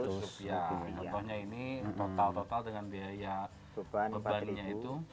contohnya ini total total dengan biaya bebannya itu